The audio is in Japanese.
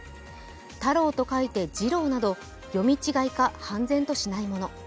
「太郎」と書いて「じろう」など読み違いか判然としないもの。